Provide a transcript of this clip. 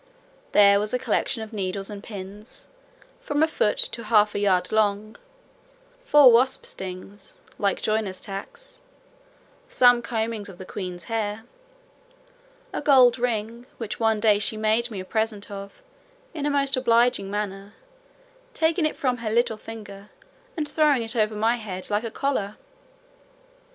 There was a collection of needles and pins, from a foot to half a yard long; four wasp stings, like joiner's tacks; some combings of the queen's hair; a gold ring, which one day she made me a present of, in a most obliging manner, taking it from her little finger, and throwing it over my head like a collar.